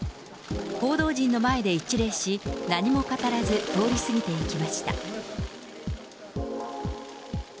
報道陣の前で一礼し、何も語らず、通り過ぎていきました。